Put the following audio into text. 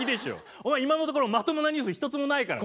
お前今のところまともなニュース一つもないからね。